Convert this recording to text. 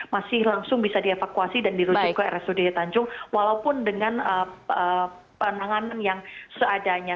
masih langsung bisa dievakuasi dan dirujuk ke rsud tanjung walaupun dengan penanganan yang seadanya